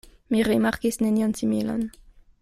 Mi rimarkis nenion similan.